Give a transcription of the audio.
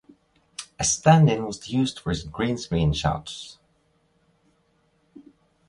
A stand-in was used for his greenscreen shots.